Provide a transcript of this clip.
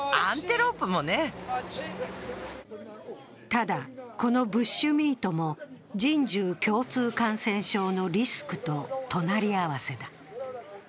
ただ、このブッシュミートも人獣共通感染症のリスクと隣り合わせだ。